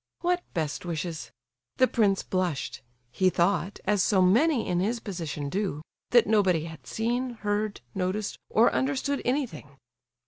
"What best wishes?" The prince blushed. He thought, as so many in his position do, that nobody had seen, heard, noticed, or understood anything.